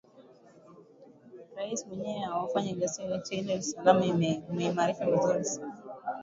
raia wenyewe hawafanyi ghasia yeyote ile usalama umeimarishwa vizuri sana